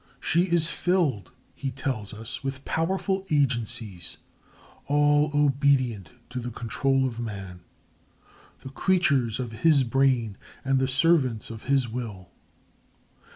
She is filled [he tells us] with powerful agencies, all obedient to the control of man—the creatures of his brain and the servants of his will.